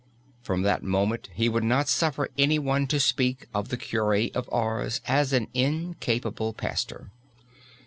From that moment he would not suffer anyone to speak, of the cure of Ars as an incapable pastor.